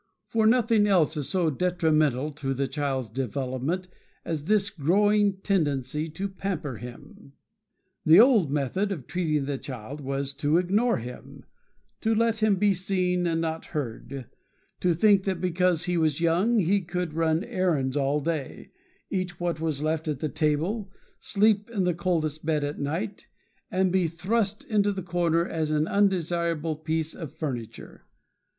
For nothing else is so detrimental to the child's development as this growing tendency to pamper him. The old method of treating the child was to ignore him; to let him be seen and not heard; to think that because he was young he could run errands all day, eat what was left at table, sleep in the coldest bed at night, and be thrust into the corner as an undesirable piece of furniture.